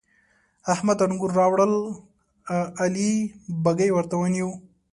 احمد انګور راوړل؛ علي بږۍ ورته ونيو.